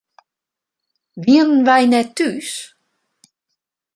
Wienen wy net thús?